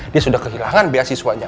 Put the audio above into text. dia sudah kehilangan beasiswanya